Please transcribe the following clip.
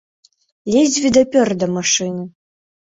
Ледзьве дапёр да машыны!